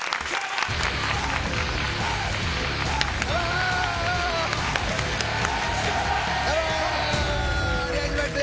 お願いします。